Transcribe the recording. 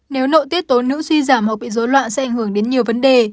nếu nội tiết tố nữ suy giảm hoặc bị dối loạn sẽ ảnh hưởng đến nhiều vấn đề